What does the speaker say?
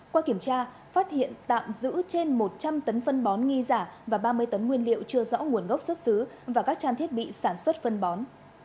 qua kiểm tra phát hiện tạm giữ trên một trăm linh tấn phân bón nghi giả và ba mươi tấn nguyên liệu chưa rõ nguồn gốc xuất xứ và các trang thiết bị sản xuất phân bón